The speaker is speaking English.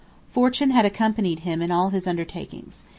Fortune had accompanied him in all his undertakings.